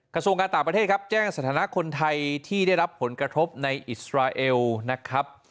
กระทรวงการต่างประเทศครับแจ้งสถานะคนไทยที่ได้รับผลกระทบในอิสราเอลนะครับ